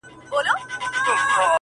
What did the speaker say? ته د رنگونو د خوبونو و سهار ته گډه-